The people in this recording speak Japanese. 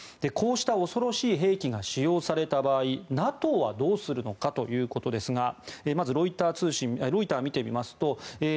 こうした恐ろしい兵器が使用された場合ＮＡＴＯはどうするのかということですがまずロイターを見てみますとＮＡＴＯ